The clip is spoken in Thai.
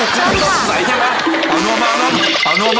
จริงก็คือต้องสงสัย